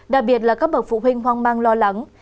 đặc biệt là các bậc phụ huynh hoang mang lo lắng